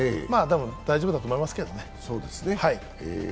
大丈夫だと思いますけどね。